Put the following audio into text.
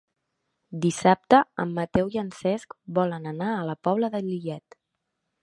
Dissabte en Mateu i en Cesc volen anar a la Pobla de Lillet.